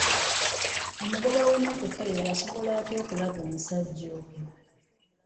Omugoba w'emmotoka eyo yasobola atya okulaba omusajja oyo?